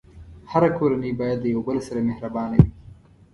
هره کورنۍ باید د یو بل سره مهربانه وي.